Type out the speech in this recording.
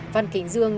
văn kính dương